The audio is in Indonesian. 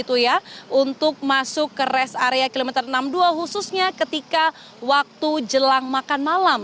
untuk masuk ke res area kilometer enam puluh dua khususnya ketika waktu jelang makan malam